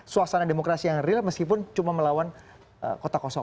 suasana demokrasi yang real meskipun cuma melawan kota kosong